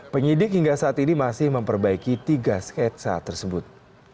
penyidik hingga saat ini masih memperbaiki tiga sketsa tersebut